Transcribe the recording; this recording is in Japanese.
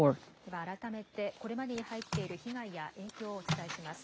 では、改めてこれまでに入っている被害や影響をお伝えします。